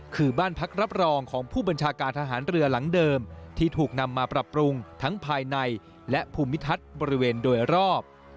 คือบ้านพักรับรองของผู้บัญชาการทหารเรือหลังเดิมที่ถูกนำมาปรับปรุงทั้งภายในและภูมิทัศน์บริเวณโดยรอบ